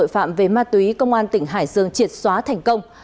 tội phạm về ma túy công an tỉnh hải dương triệt xóa thành công